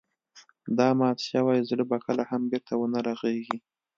دا مات شوی زړه به کله هم بېرته ونه رغيږي.